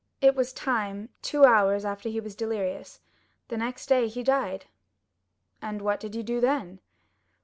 It was time—two hours after he was delirious; the next day he died." "And what did you do then?"